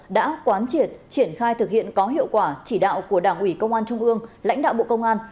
đã quán triệt triển khai thực hiện có hiệu quả chỉ đạo của đảng ủy công an trung ương lãnh đạo bộ công an